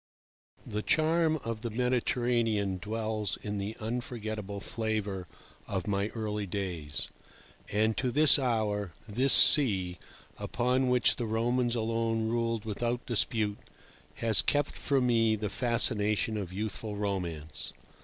The charm of the Mediterranean dwells in the unforgettable flavour of my early days, and to this hour this sea, upon which the Romans alone ruled without dispute, has kept for me the fascination of youthful romance.